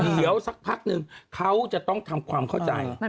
เดี๋ยวสักพักนึงเขาจะต้องทำความเข้าใจ